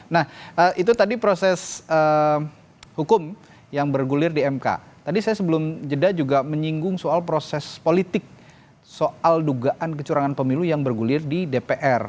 nah itu tadi proses hukum yang bergulir di mk tadi saya sebelum jeda juga menyinggung soal proses politik soal dugaan kecurangan pemilu yang bergulir di dpr